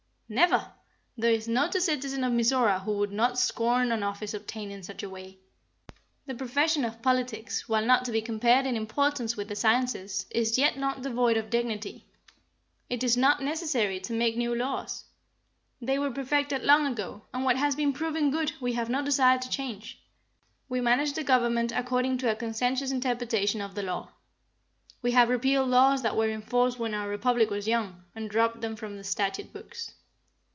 "Never! There is not a citizen of Mizora who would not scorn an office obtained in such a way. The profession of politics, while not to be compared in importance with the sciences, is yet not devoid of dignity. It is not necessary to make new laws. They were perfected long ago, and what has been proven good we have no desire to change. We manage the government according to a conscientious interpretation of the law. We have repealed laws that were in force when our Republic was young, and dropped them from the statute books.